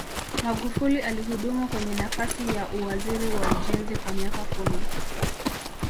magufuli alihudumu kwenye nafasi ya uwaziri wa ujenzi kwa miaka kumi